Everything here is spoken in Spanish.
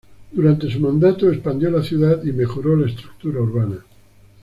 Durante su mandato, expandió la ciudad y mejoró la estructura urbana.